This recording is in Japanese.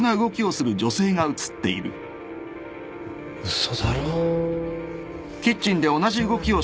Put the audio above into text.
嘘だろ